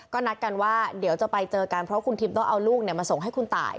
ก็นัดกันว่าเดี๋ยวจะไปเจอกันเพราะคุณทิมต้องเอาลูกมาส่งให้คุณตาย